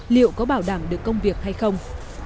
liệu có bảo đảm không